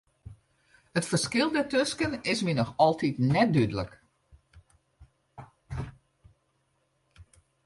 It ferskil dêrtusken is my noch altiten net dúdlik.